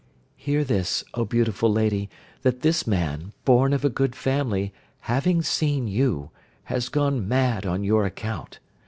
"Hear this, Oh beautiful lady, that this man, born of a good family, having seen you, has gone mad on your account.